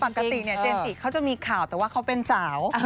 ปกติเนี่ยเจนจิเขาจะมีข่าวแต่ว่าเขาเป็นสาว